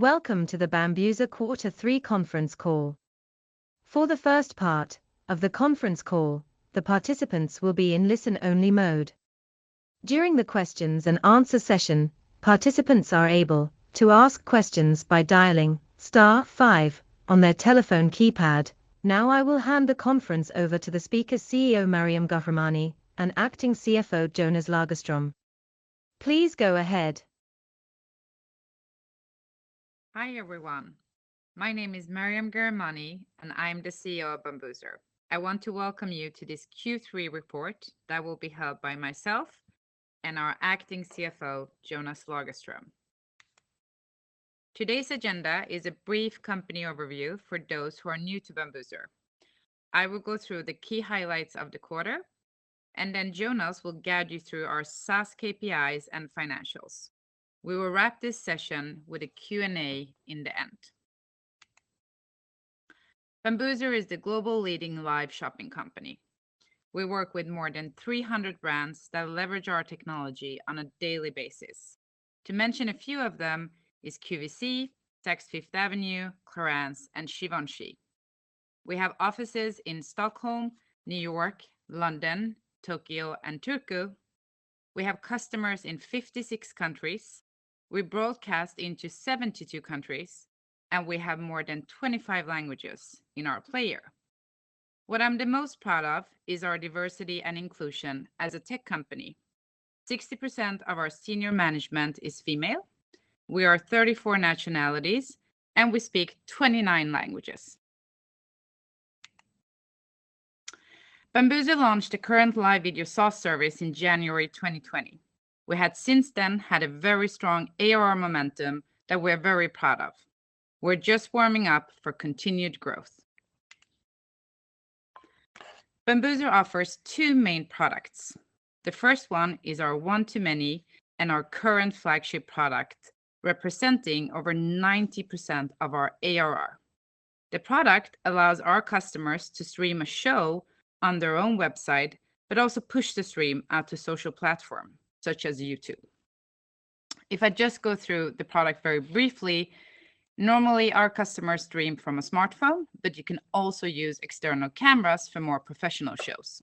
Welcome to the Bambuser Quarter Three conference call. For the first part of the conference call, the participants will be in listen-only mode. During the questions and answer session, participants are able to ask questions by dialing star five on their telephone keypad. Now I will hand the conference over to the speaker CEO Maryam Ghahremani and Acting CFO Jonas Lagerström. Please go ahead. Hi, everyone. My name is Maryam Ghahremani, and I'm the CEO of Bambuser. I want to welcome you to this Q3 report that will be held by myself and our acting CFO, Jonas Lagerström. Today's agenda is a brief company overview for those who are new to Bambuser. I will go through the key highlights of the quarter, and then Jonas will guide you through our SaaS KPIs and financials. We will wrap this session with a Q&A in the end. Bambuser is the global leading live shopping company. We work with more than 300 brands that leverage our technology on a daily basis. To mention a few of them is QVC, Saks Fifth Avenue, Clarins, and Givenchy. We have offices in Stockholm, New York, London, Tokyo, and Turku. We have customers in 56 countries. We broadcast into 72 countries, and we have more than 25 languages in our player. What I'm the most proud of is our diversity and inclusion as a tech company. 60% of our senior management is female. We are 34 nationalities, and we speak 29 languages. Bambuser launched the current live video SaaS service in January 2020. We had since then had a very strong ARR momentum that we're very proud of. We're just warming up for continued growth. Bambuser offers two main products. The first one is our One-to-Many and our current flagship product, representing over 90% of our ARR. The product allows our customers to stream a show on their own website but also push the stream out to social platform such as YouTube. If I just go through the product very briefly, normally, our customers stream from a smartphone, but you can also use external cameras for more professional shows.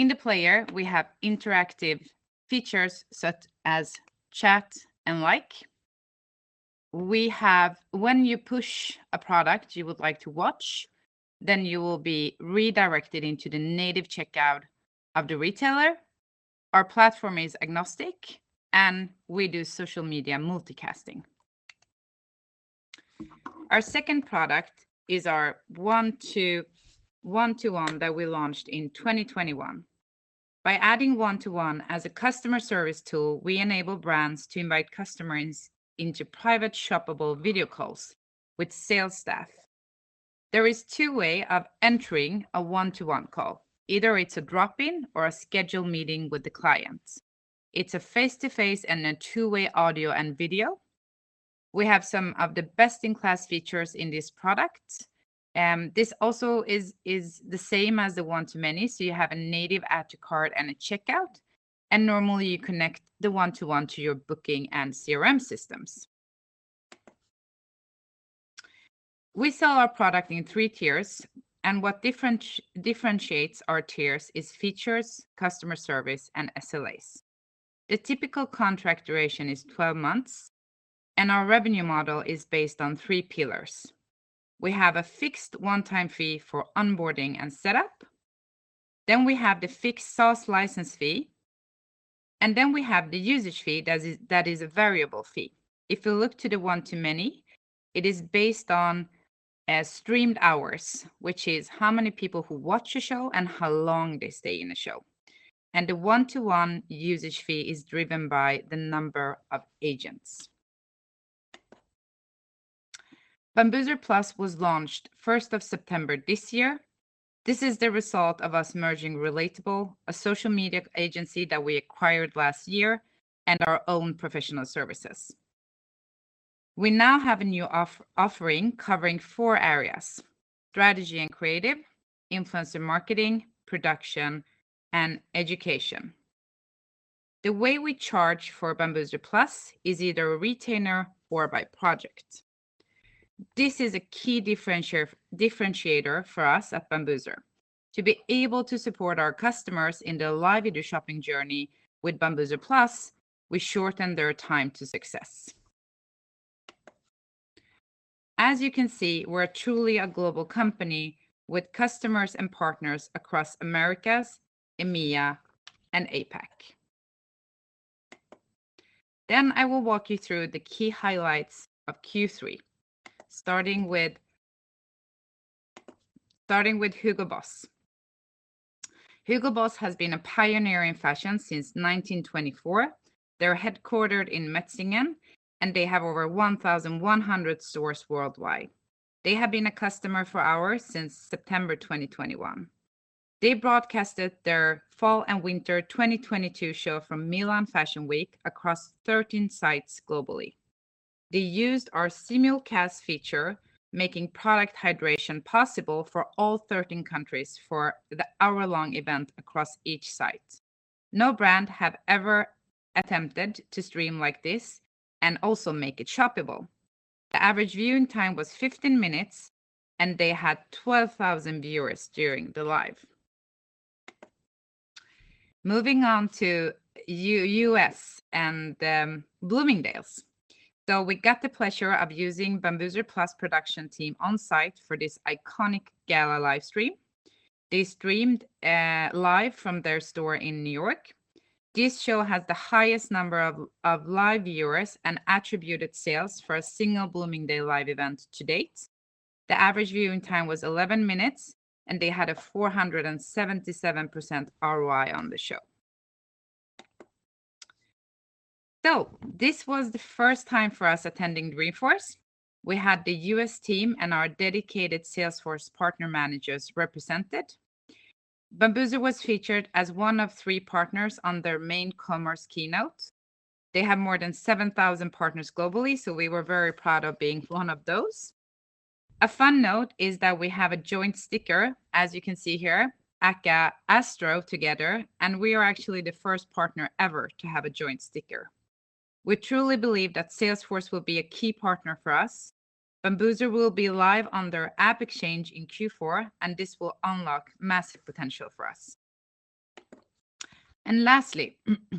In the player, we have interactive features such as chat and like. We have when you push a product you would like to watch, then you will be redirected into the native checkout of the retailer. Our platform is agnostic, and we do social media multistreaming. Our second product is our One-to-One that we launched in 2021. By adding One-to-One as a customer service tool, we enable brands to invite customers into private shoppable video calls with sales staff. There is two way of entering a One-to-One call. Either it's a drop-in or a scheduled meeting with the client. It's a face-to-face and a two-way audio and video. We have some of the best-in-class features in this product. This also is the same as the One-to-Many, so you have a native add to cart and a checkout, and normally you connect the One-to-One to your booking and CRM systems. We sell our product in three tiers, and what differentiates our tiers is features, customer service, and SLAs. The typical contract duration is 12 months, and our revenue model is based on three pillars. We have a fixed one-time fee for onboarding and setup, then we have the fixed SaaS license fee, and then we have the usage fee that is a variable fee. If you look to the One-to-Many, it is based on streamed hours, which is how many people who watch a show and how long they stay in a show. The One-to-One usage fee is driven by the number of agents. Bambuser Plus was launched 1st September this year. This is the result of us merging Relatable, a social media agency that we acquired last year, and our own professional services. We now have a new offering covering four areas, strategy and creative, influencer marketing, production, and education. The way we charge for Bambuser Plus is either a retainer or by project. This is a key differentiator for us at Bambuser. To be able to support our customers in their live video shopping journey with Bambuser Plus, we shorten their time to success. As you can see, we're truly a global company with customers and partners across Americas, EMEA, and APAC. I will walk you through the key highlights of Q3, starting with Hugo Boss. Hugo Boss has been a pioneer in fashion since 1924. They're headquartered in Metzingen, and they have over 1,100 stores worldwide. They have been a customer of ours since September 2021. They broadcasted their fall and winter 2022 show from Milan Fashion Week across 13 sites globally. They used our Simulcast feature, making product interaction possible for all 13 countries for the hour-long event across each site. No brand have ever attempted to stream like this and also make it shoppable. The average viewing time was 15 minutes, and they had 12,000 viewers during the live. Moving on to U.S. and Bloomingdale's. We got the pleasure of using Bambuser Plus production team on site for this iconic gala live stream. They streamed live from their store in New York. This show has the highest number of live viewers and attributed sales for a single Bloomingdale live event to date. The average viewing time was 11 minutes, and they had a 477% ROI on the show. This was the first time for us attending Dreamforce. We had the U.S. team and our dedicated Salesforce partner managers represented. Bambuser was featured as one of three partners on their main commerce keynote. They have more than 7,000 partners globally, so we were very proud of being one of those. A fun note is that we have a joint sticker, as you can see here, aka Astro together, and we are actually the first partner ever to have a joint sticker. We truly believe that Salesforce will be a key partner for us. Bambuser will be live on their AppExchange in Q4, and this will unlock massive potential for us. Lastly,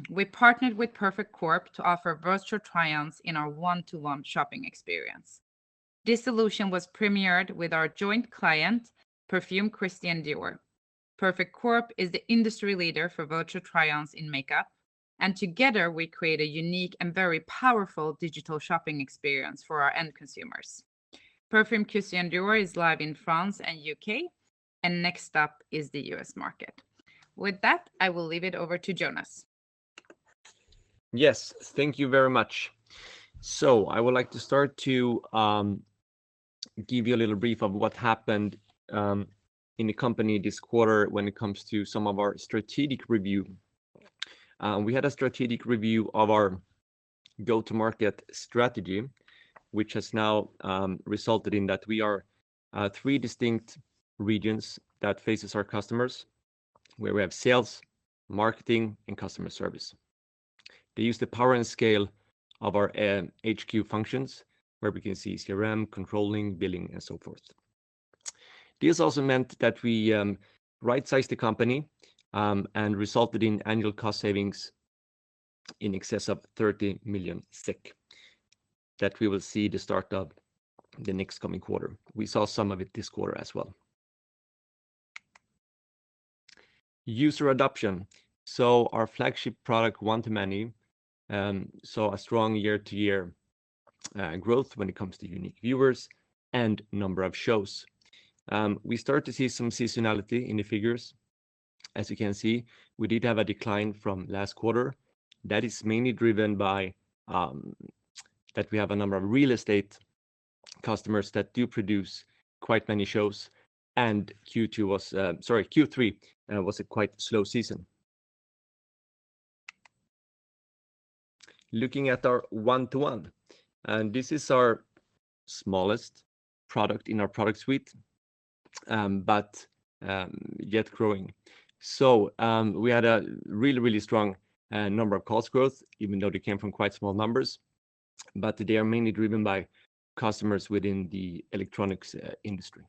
we partnered with Perfect Corp. to offer virtual try-ons in our One-to-One shopping experience. This solution was premiered with our joint client, Parfums Christian Dior. Perfect Corp. is the industry leader for virtual try-ons in makeup, and together we create a unique and very powerful digital shopping experience for our end consumers. Parfums Christian Dior is live in France and U.K., and next stop is the U.S. market. With that, I will leave it over to Jonas. Yes, thank you very much. I would like to start to give you a little brief of what happened in the company this quarter when it comes to some of our strategic review. We had a strategic review of our go-to-market strategy, which has now resulted in that we are three distinct regions that faces our customers, where we have sales, marketing, and customer service. They use the power and scale of our HQ functions, where we can see CRM, controlling, billing, and so forth. This also meant that we right-sized the company and resulted in annual cost savings in excess of 30 million that we will see the start of the next coming quarter. We saw some of it this quarter as well. User adoption. Our flagship product, One-to-Many, saw a strong year-to-year growth when it comes to unique viewers and number of shows. We start to see some seasonality in the figures. As you can see, we did have a decline from last quarter. That is mainly driven by that we have a number of real estate customers that do produce quite many shows, and Q3 was a quite slow season. Looking at our One-to-One, and this is our smallest product in our product suite, but yet growing. We had a really strong number of customer growth, even though they came from quite small numbers. They are mainly driven by customers within the electronics industry.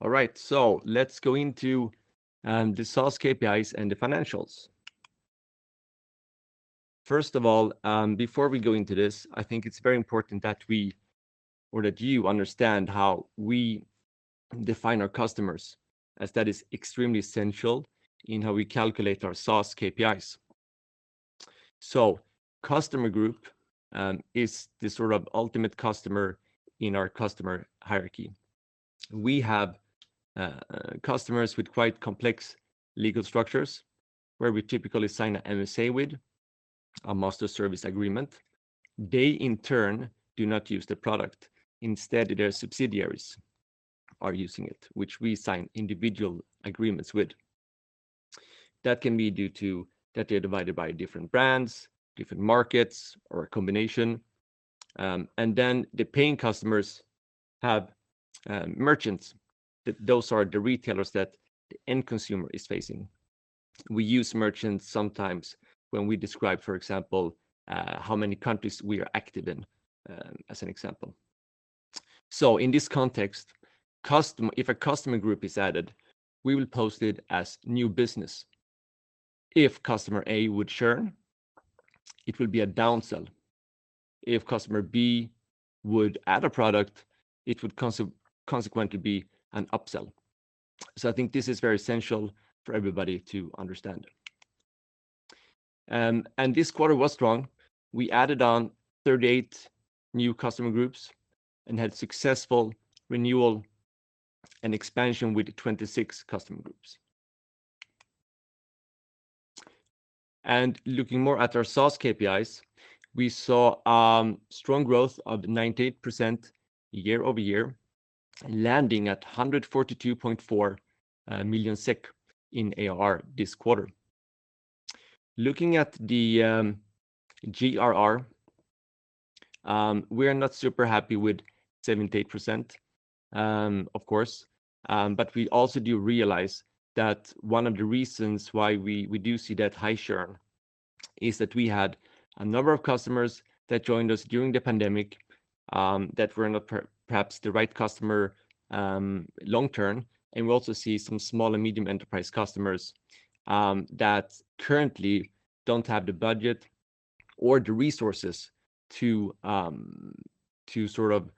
All right, let's go into the SaaS KPIs and the financials. First of all, before we go into this, I think it's very important that you understand how we define our customers, as that is extremely essential in how we calculate our SaaS KPIs. Customer group is the sort of ultimate customer in our customer hierarchy. We have customers with quite complex legal structures where we typically sign an MSA with a master service agreement. They in turn do not use the product. Instead, their subsidiaries are using it, which we sign individual agreements with. That can be due to that they are divided by different brands, different markets, or a combination. The paying customers have merchants. Those are the retailers that the end consumer is facing. We use merchants sometimes when we describe, for example, how many countries we are active in, as an example. In this context, if a customer group is added, we will post it as new business. If customer A would churn, it will be a downsell. If customer B would add a product, it would consequently be an upsell. I think this is very essential for everybody to understand. This quarter was strong. We added 38 new customer groups and had successful renewal and expansion with 26 customer groups. Looking more at our SaaS KPIs, we saw strong growth of 98% year-over-year. Landing at 142.4 million SEK in ARR this quarter. Looking at the GRR, we are not super happy with 78%, of course. We also do realize that one of the reasons why we do see that high churn is that we had a number of customers that joined us during the pandemic, that were not perhaps the right customer long term. We also see some small and medium enterprise customers that currently don't have the budget or the resources to sort of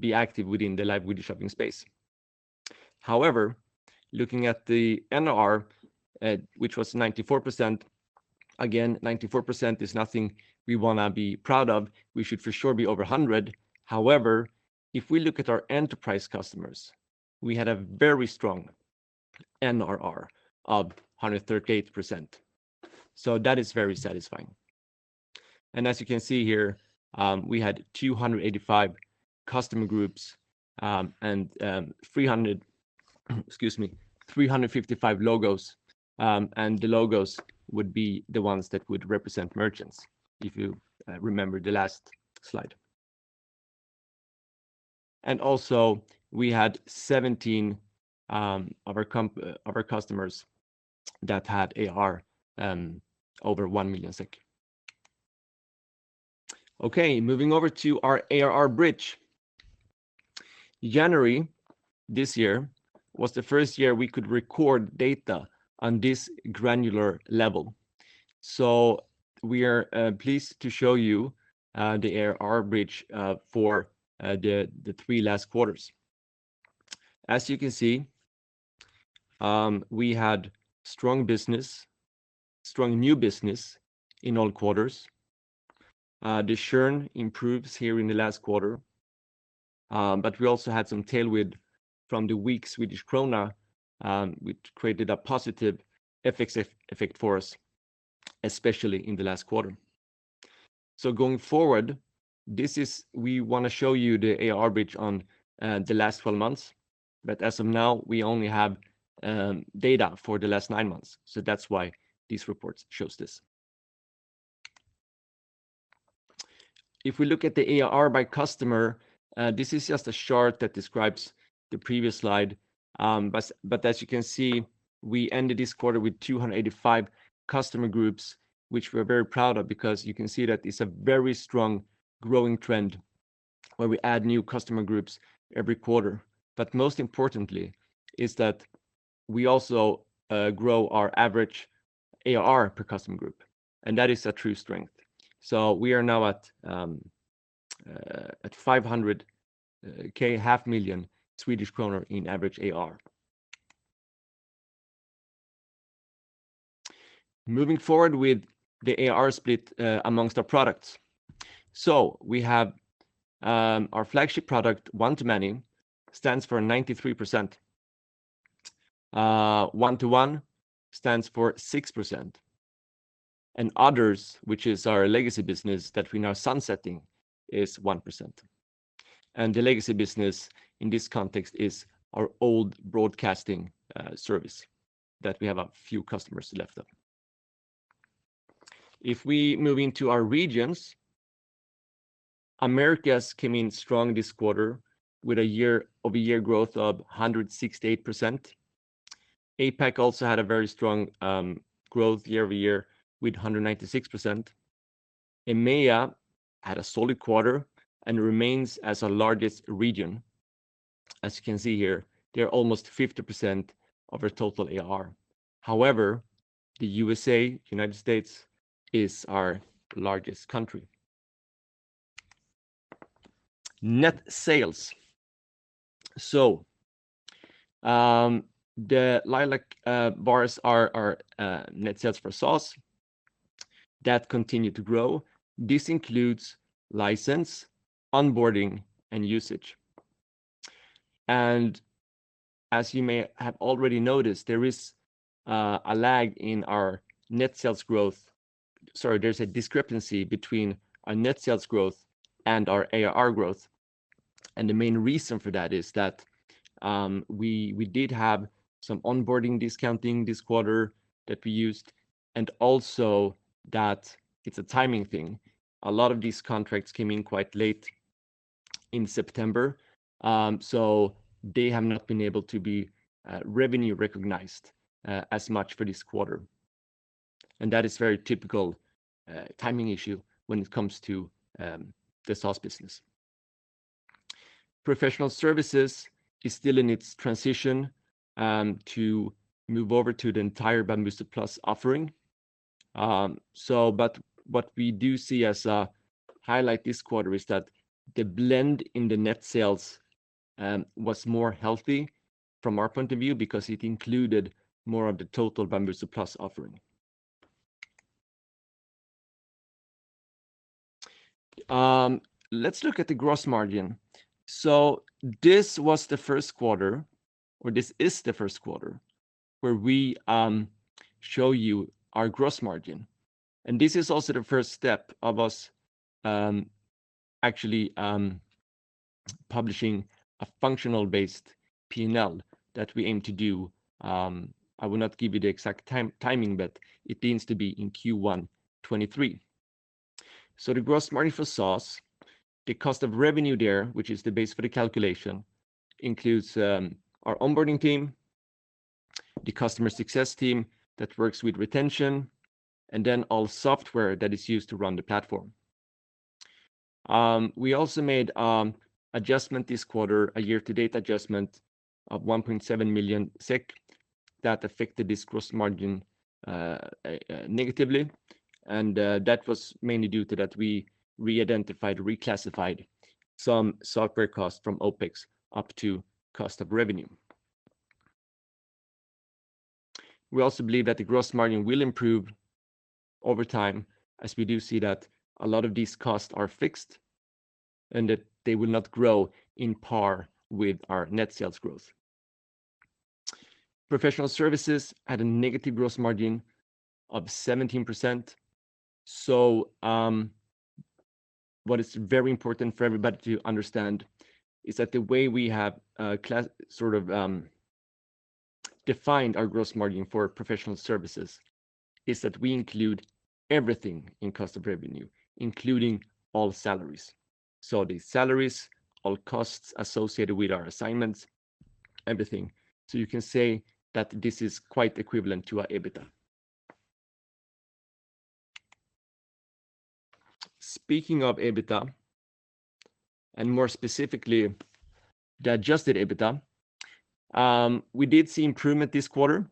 be active within the live video shopping space. However, looking at the NRR which was 94%, again, 94% is nothing we wanna be proud of. We should for sure be over 100. However, if we look at our enterprise customers, we had a very strong NRR of 138%, so that is very satisfying. As you can see here, we had 285 customer groups, and 355 logos. The logos would be the ones that would represent merchants if you remember the last slide. We had 17 of our customers that had ARR over SEK 1 million. Okay. Moving over to our ARR bridge. January this year was the first year we could record data on this granular level, so we are pleased to show you the ARR bridge for the three last quarters. As you can see, we had strong business, strong new business in all quarters. The churn improves here in the last quarter, but we also had some tailwind from the weak Swedish krona, which created a positive FX effect for us, especially in the last quarter. Going forward, we wanna show you the ARR bridge on the last 12 months. As of now, we only have data for the last nine months, so that's why this report shows this. If we look at the ARR by customer, this is just a chart that describes the previous slide. As you can see, we ended this quarter with 285 customer groups, which we're very proud of because you can see that it's a very strong growing trend where we add new customer groups every quarter. Most importantly is that we also grow our average ARR per customer group, and that is a true strength. We are now at 500,000 Swedish kronor in average ARR. Moving forward with the ARR split among our products. We have our flagship product, One-to-Many, stands for 93%. One-to-One stands for 6%. Others, which is our legacy business that we're now sunsetting, is 1%. The legacy business in this context is our old broadcasting service that we have a few customers left of. If we move into our regions, Americas came in strong this quarter with a year-over-year growth of 168%. APAC also had a very strong growth year-over-year with 196%. EMEA had a solid quarter and remains as our largest region. As you can see here, they're almost 50% of our total ARR. However, the U.S.A., United States, is our largest country. Net sales. The lilac bars are our net sales for SaaS that continue to grow. This includes license, onboarding, and usage. As you may have already noticed, there is a lag in our net sales growth. Sorry. There's a discrepancy between our net sales growth and our ARR growth, and the main reason for that is that we did have some onboarding discounting this quarter that we used, and also that it's a timing thing. A lot of these contracts came in quite late in September, so they have not been able to be revenue recognized as much for this quarter. That is very typical timing issue when it comes to the SaaS business. Professional services is still in its transition to move over to the entire Bambuser Plus offering. But what we do see as a highlight this quarter is that the blend in the net sales was more healthy from our point of view because it included more of the total Bambuser Plus offering. Let's look at the gross margin. This is the first quarter where we show you our gross margin. This is also the first step of us actually publishing a functional-based P&L that we aim to do. I will not give you the exact timing, but it tends to be in Q1 2023. The gross margin for SaaS, the cost of revenue there, which is the base for the calculation, includes our onboarding team, the customer success team that works with retention, and then all software that is used to run the platform. We also made adjustment this quarter, a year-to-date adjustment of 1.7 million SEK that affected this gross margin negatively. That was mainly due to that we re-identified, reclassified some software costs from OpEx up to cost of revenue. We also believe that the gross margin will improve over time as we do see that a lot of these costs are fixed and that they will not grow in parallel with our net sales growth. Professional services had a negative gross margin of 17%. What is very important for everybody to understand is that the way we have sort of defined our gross margin for professional services is that we include everything in cost of revenue, including all salaries. The salaries, all costs associated with our assignments, everything. You can say that this is quite equivalent to our EBITDA. Speaking of EBITDA, and more specifically, the adjusted EBITDA, we did see improvement this quarter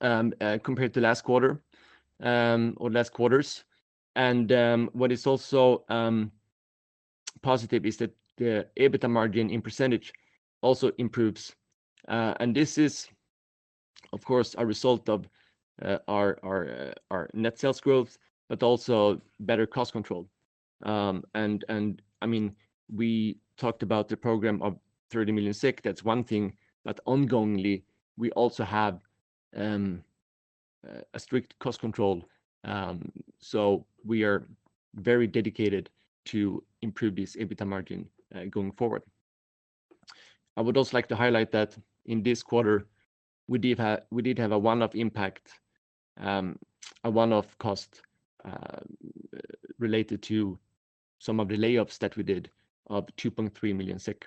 compared to last quarter or last quarters. What is also positive is that the EBITDA margin in percentage also improves. This is of course a result of our net sales growth, but also better cost control. I mean, we talked about the program of 30 million. That's one thing. Ongoingly, we also have a strict cost control. We are very dedicated to improve this EBITDA margin going forward. I would also like to highlight that in this quarter, we did have a one-off impact, a one-off cost related to some of the layoffs that we did of 2.3 million SEK.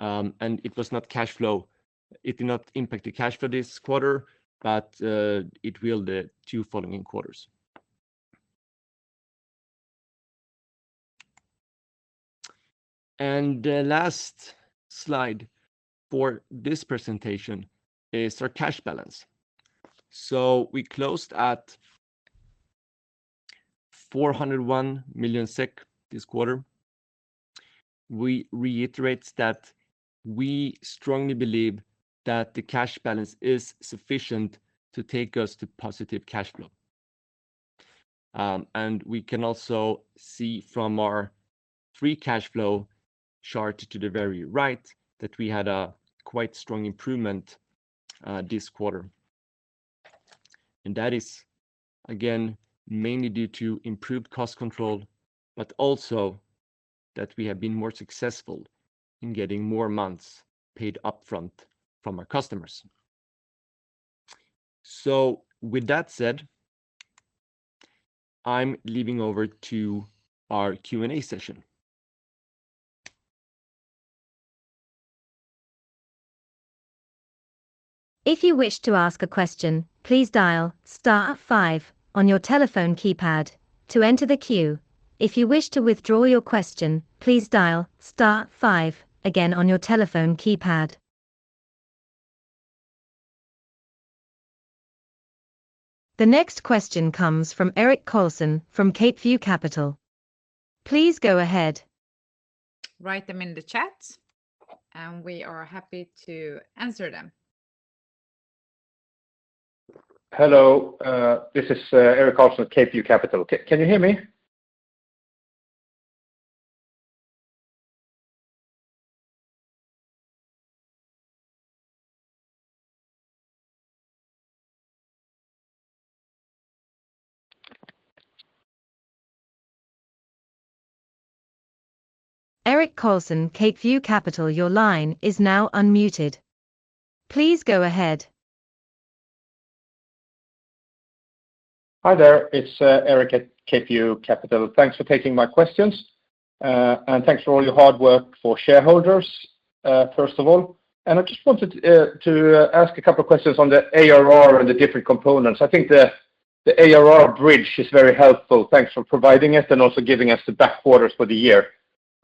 It was not cash flow. It did not impact the cash for this quarter, but it will the two following quarters. The last slide for this presentation is our cash balance. We closed at SEK 401 million this quarter. We reiterate that we strongly believe that the cash balance is sufficient to take us to positive cash flow. We can also see from our free cash flow chart to the very right that we had a quite strong improvement this quarter. That is again, mainly due to improved cost control, but also that we have been more successful in getting more months paid upfront from our customers. With that said, I'm leaving over to our Q&A session. If you wish to ask a question, please dial star five on your telephone keypad to enter the queue. If you wish to withdraw your question, please dial star five again on your telephone keypad. The next question comes from Erik Karlsson from CapeView Capital. Please go ahead. Write them in the chat, and we are happy to answer them. Hello, this is Erik Karlsson, CapeView Capital. Can you hear me? Erik Karlsson, CapeView Capital, your line is now unmuted. Please go ahead. Hi there. It's Erik at CapeView Capital. Thanks for taking my questions, and thanks for all your hard work for shareholders, first of all. I just wanted to ask a couple questions on the ARR and the different components. I think the ARR bridge is very helpful. Thanks for providing it and also giving us the back quarters for the year.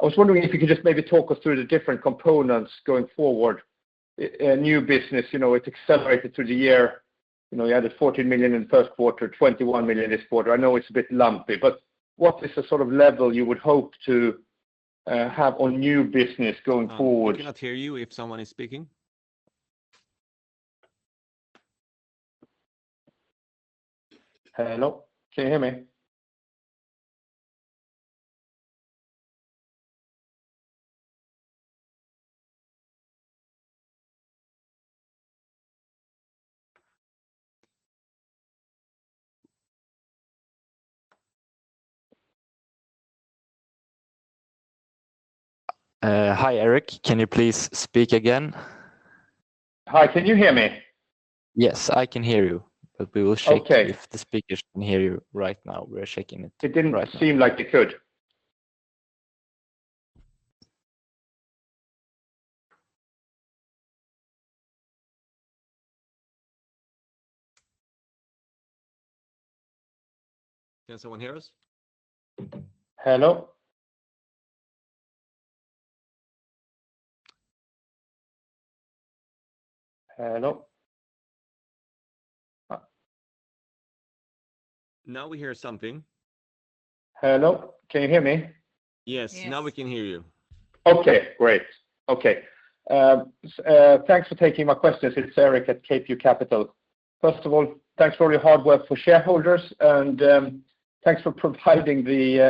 I was wondering if you could just maybe talk us through the different components going forward. New business, you know, it's accelerated through the year. You know, you had 14 million in first quarter, 21 million this quarter. I know it's a bit lumpy, but what is the sort of level you would hope to have on new business going forward. We cannot hear you if someone is speaking. Hello, can you hear me? Hi, Erik. Can you please speak again? Hi, can you hear me? Yes, I can hear you, but we will check. Okay. If the speakers can hear you right now. We're checking it right now. It didn't seem like they could. Can someone hear us? Hello? Hello? Now we hear something. Hello, can you hear me? Yes now we can hear you. Okay, great. Thanks for taking my questions. It's Erik at CapeView Capital. First of all, thanks for all your hard work for shareholders, and thanks for providing the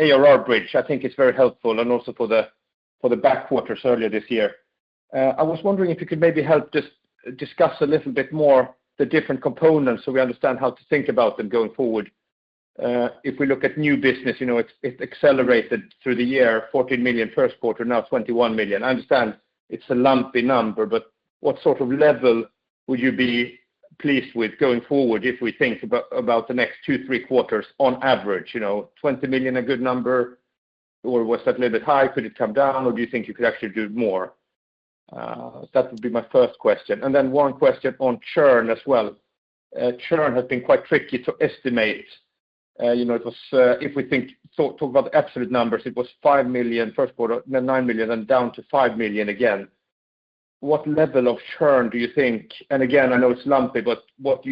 ARR bridge. I think it's very helpful, and also for the back half earlier this year. I was wondering if you could maybe help just discuss a little bit more the different components so we understand how to think about them going forward. If we look at new business, you know, it accelerated through the year, 14 million first quarter, now 21 million. I understand it's a lumpy number, but what sort of level would you be pleased with going forward if we think about the next two, three quarters on average? You know, 20 million a good number, or was that a little bit high? Could it come down, or do you think you could actually do more? That would be my first question. One question on churn as well. Churn has been quite tricky to estimate. You know, it was, if we think, talk about absolute numbers, it was 5 million first quarter, then 9 million, and down to 5 million again. What level of churn do you think, and again, I know it's lumpy, but what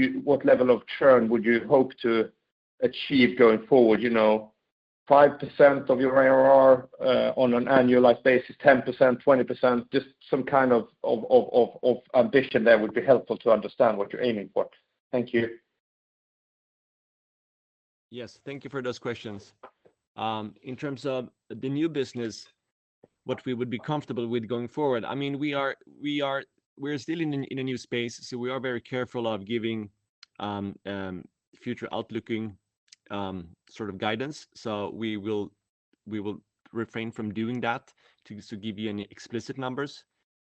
level of churn would you hope to achieve going forward? You know, 5% of your ARR, on an annualized basis, 10%, 20%? Just some kind of ambition there would be helpful to understand what you're aiming for. Thank you. Yes, thank you for those questions. In terms of the new business, what we would be comfortable with going forward, I mean, we're still in a new space, so we are very careful of giving forward-looking sort of guidance. We will refrain from doing that to give you any explicit numbers.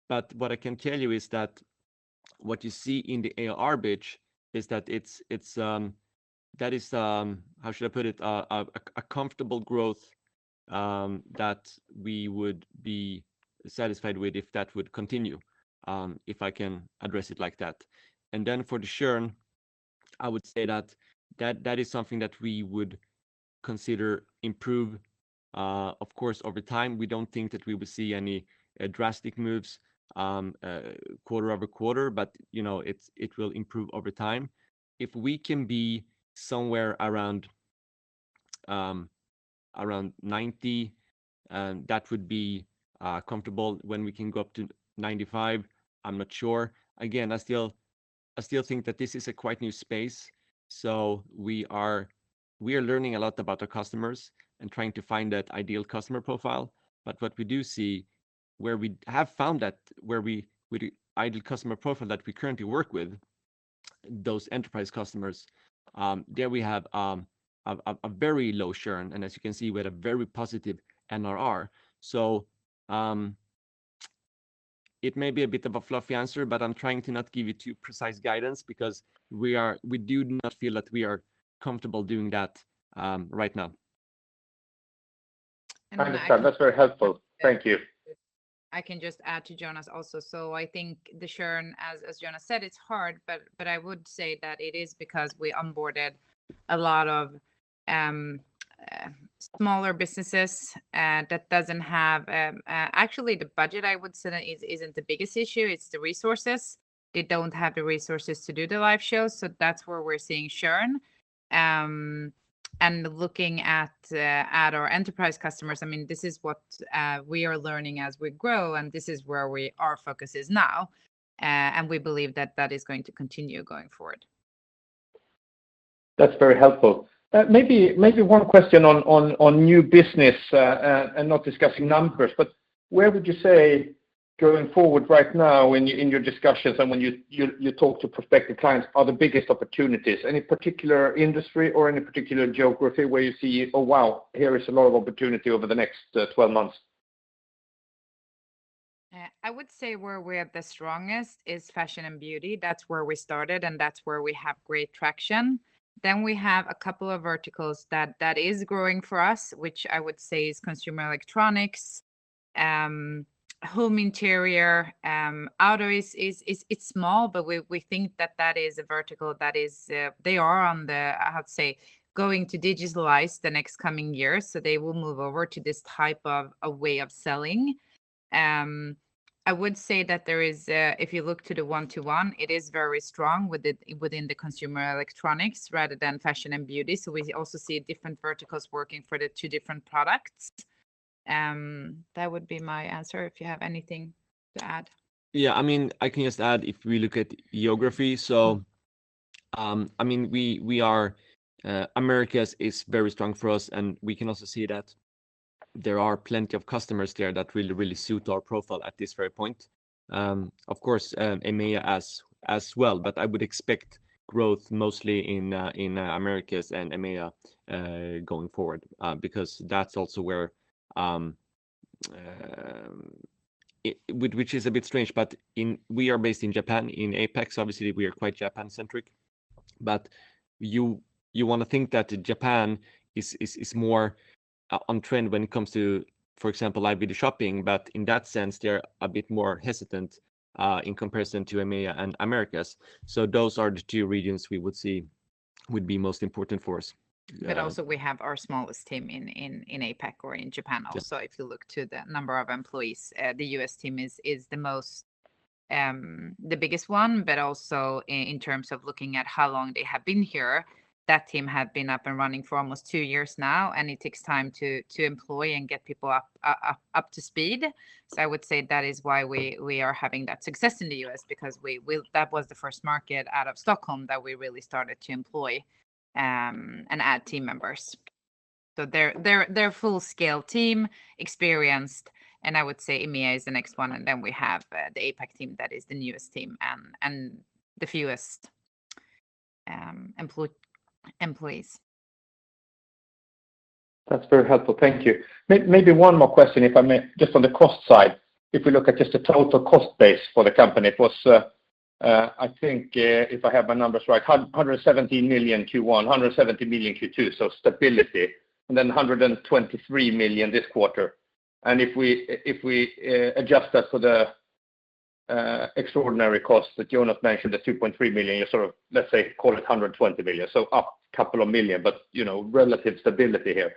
What I can tell you is that what you see in the ARR bridge is that it's, that is, how should I put it? A comfortable growth that we would be satisfied with if that would continue, if I can express it like that. For the churn, I would say that that is something that we would consider improved, of course over time. We don't think that we will see any drastic moves quarter-over-quarter, but you know, it will improve over time. If we can be somewhere around 90%, that would be comfortable. When we can go up to 95%, I'm not sure. Again, I still think that this is a quite new space, so we are learning a lot about our customers and trying to find that ideal customer profile. What we do see, where we have found that ideal customer profile that we currently work with, those enterprise customers, there we have a very low churn, and as you can see, we had a very positive NRR. It may be a bit of a fluffy answer, but I'm trying to not give you too precise guidance because we do not feel that we are comfortable doing that right now. I understand. That's very helpful. Thank you. I can just add to Jonas also. I think the churn, as Jonas said, it's hard, but I would say that it is because we onboarded a lot of smaller businesses that doesn't have actually the budget I would say that isn't the biggest issue, it's the resources. They don't have the resources to do the live shows, so that's where we're seeing churn. Looking at our enterprise customers, I mean, this is what we are learning as we grow and this is where our focus is now, and we believe that that is going to continue going forward. That's very helpful. Maybe one question on new business, and not discussing numbers, but where would you say going forward right now in your discussions and when you talk to prospective clients are the biggest opportunities? Any particular industry or any particular geography where you see, Oh, wow, here is a lot of opportunity over the next 12 months? I would say where we are the strongest is fashion and beauty. That's where we started, and that's where we have great traction. We have a couple of verticals that is growing for us, which I would say is consumer electronics, home interior, outdoor is. It's small, but we think that that is a vertical that is they are on the, how to say, going to digitalize the next coming years, so they will move over to this type of a way of selling. I would say that there is, if you look to the One-to-One, it is very strong within the consumer electronics rather than fashion and beauty. We also see different verticals working for the two different products. That would be my answer. If you have anything to add. Yeah, I mean, I can just add if we look at geography. I mean, we are, Americas is very strong for us, and we can also see that there are plenty of customers there that really suit our profile at this very point. Of course, EMEA as well, but I would expect growth mostly in Americas and EMEA going forward, because that's also where which is a bit strange, but in we are based in Japan. In APAC, obviously we are quite Japan-centric. You wanna think that Japan is more on trend when it comes to, for example, live video shopping. In that sense, they're a bit more hesitant in comparison to EMEA and Americas. Those are the two regions we would see would be most important for us. We have our smallest team in APAC or in Japan also. If you look to the number of employees, the U.S. team is the most, the biggest one. In terms of looking at how long they have been here, that team have been up and running for almost two years now, and it takes time to employ and get people up to speed. I would say that is why we are having that success in the U.S. because that was the first market out of Stockholm that we really started to employ and add team members. They're a full-scale team, experienced, and I would say EMEA is the next one, and then we have the APAC team that is the newest team and the fewest employees. That's very helpful. Thank you. Maybe one more question, if I may, just on the cost side. If we look at just the total cost base for the company, it was, I think, if I have my numbers right, 117 million Q1, 170 million Q2, so stability, and then 123 million this quarter. If we adjust that for the extraordinary costs that Jonas mentioned, the 2.3 million, you sort of, let's say, call it 120 million, so up couple of million, but, you know, relative stability here.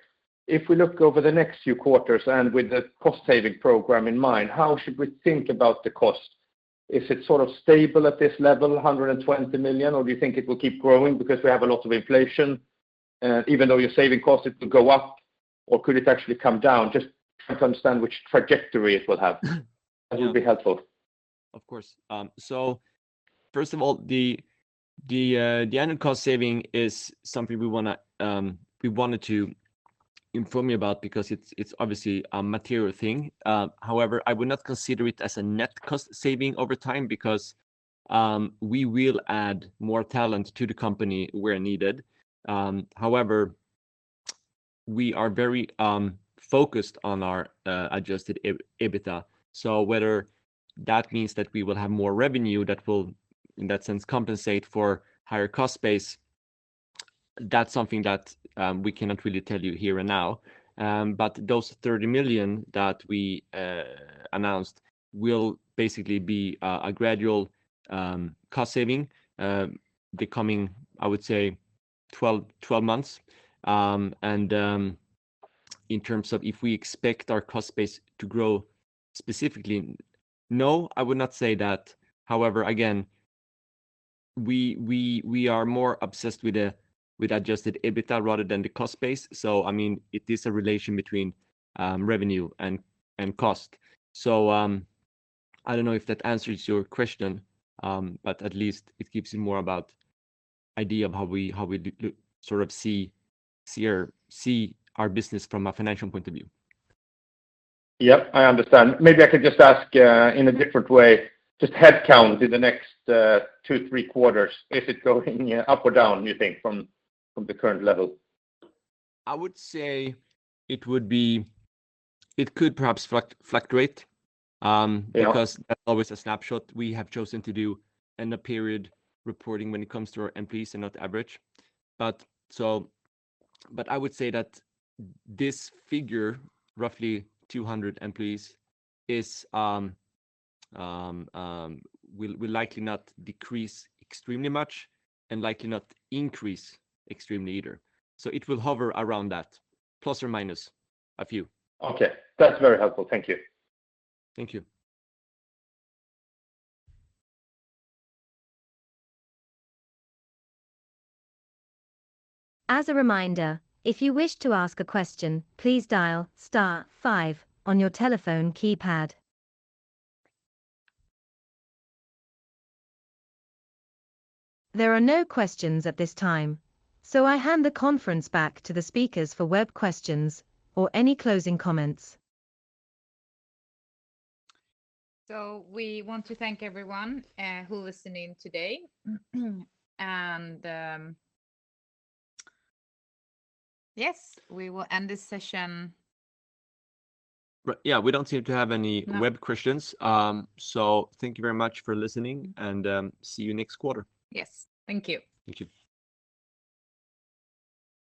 If we look over the next few quarters and with the cost saving program in mind, how should we think about the cost? Is it sort of stable at this level, 120 million, or do you think it will keep growing because we have a lot of inflation? Even though you're saving costs, it could go up, or could it actually come down? Just trying to understand which trajectory it will have. That would be helpful. Of course not. First of all, the annual cost saving is something we wanted to inform you about because it's obviously a material thing. However, I would not consider it as a net cost saving over time because we will add more talent to the company where needed. However, we are very focused on our adjusted EBITDA. Whether that means that we will have more revenue that will, in that sense, compensate for higher cost base, that's something that we cannot really tell you here and now. Those 30 million that we announced will basically be a gradual cost saving the coming, I would say, 12 months. In terms of if we expect our cost base to grow specifically, no, I would not say that. However, again, we are more obsessed with adjusted EBITDA rather than the cost base. I mean, it is a relation between revenue and cost. I don't know if that answers your question, but at least it gives you more of an idea of how we sort of see our business from a financial point of view. Yep, I understand. Maybe I could just ask in a different way, just headcount in the next two, three quarters. Is it going up or down, you think, from the current level? I would say it would be. It could perhaps fluctuate. Yeah Because that's always a snapshot. We have chosen to do end of period reporting when it comes to our employees and not average. I would say that this figure, roughly 200 employees, will likely not decrease extremely much and likely not increase extremely either. It will hover around that, plus or minus a few. Okay. That's very helpful. Thank you. Thank you. As a reminder, if you wish to ask a question, please dial star five on your telephone keypad. There are no questions at this time, so I hand the conference back to the speakers for web questions or any closing comments. We want to thank everyone who listened in today. Yes, we will end this session. Right. Yeah, we don't seem to have any web questions. Thank you very much for listening and see you next quarter. Yes. Thank you.